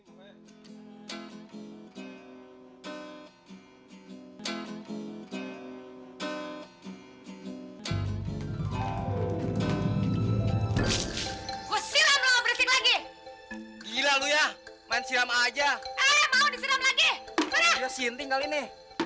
gue siram lo bersih lagi gila lu ya main siam aja mau disiram lagi